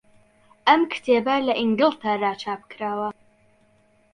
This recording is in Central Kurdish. ئەم کتێبە لە ئینگلتەرا چاپکراوە.